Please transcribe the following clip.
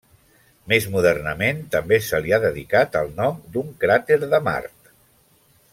Més modernament, també se li ha dedicat el nom d'un cràter de Mart.